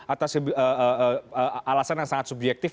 atas alasan yang sangat subjektif